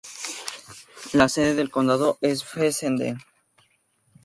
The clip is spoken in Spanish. La sede del condado es Fessenden.